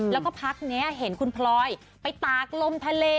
แล้วก็พักนี้เห็นคุณพลอยไปตากลมทะเล